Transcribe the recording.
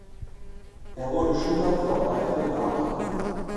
Er wurde Schüler von Alfred Adler.